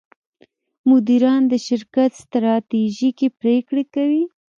مدیران د شرکت ستراتیژیکې پرېکړې کوي.